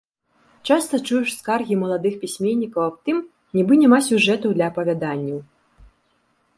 Часта чуеш скаргі маладых пісьменнікаў аб тым, нібы няма сюжэтаў для апавяданняў.